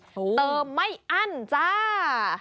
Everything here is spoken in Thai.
เติมไม่อั้นจ้า